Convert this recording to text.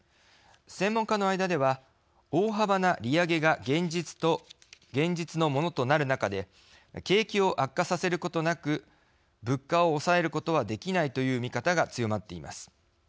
専門家の間では、大幅な利上げが現実のものとなる中で景気を悪化させることなく物価を抑えることはできないという見方が強まっています。